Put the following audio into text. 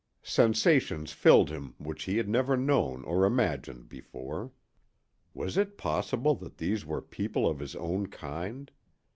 Sensations filled him which he had never known or imagined before. Was it possible that these were people of his own kind?